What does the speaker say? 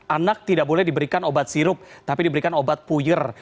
anak tidak boleh diberikan obat sirup tapi diberikan obat puyir